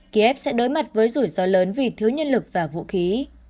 kiev sẽ đối mặt với rủi ro lớn vì thiếu nhân lực và vũ khí